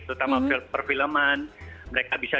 terutama perfilman mereka bisa